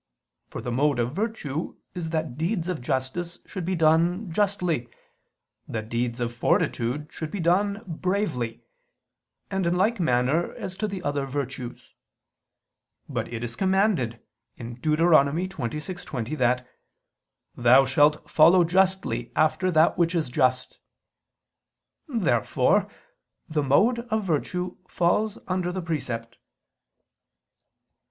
For the mode of virtue is that deeds of justice should be done justly, that deeds of fortitude should be done bravely, and in like manner as to the other virtues. But it is commanded (Deut. 26:20) that "thou shalt follow justly after that which is just." Therefore the mode of virtue falls under the precept.